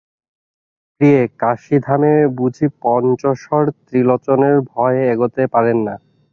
প্রিয়ে, কাশীধামে বুঝি পঞ্চশর ত্রিলোচনের ভয়ে এগোতে পারেন না?